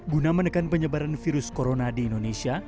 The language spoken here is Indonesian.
guna menekan penyebaran virus corona di indonesia